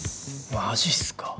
マジっすか？